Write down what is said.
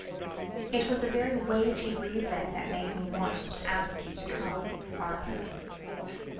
"It was a very weighty reason that made me ask you to come, Arthur."